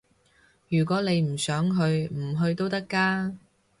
如果你唔想去，唔去都得㗎